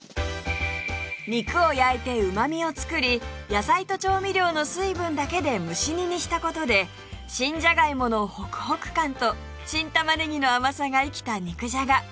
肉を焼いてうまみを作り野菜と調味料の水分だけで蒸し煮にした事で新じゃがいものホクホク感と新玉ねぎの甘さが生きた肉じゃが